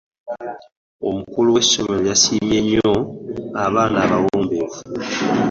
Omukulu wesomero yasimyenyo abaan'abawombefu.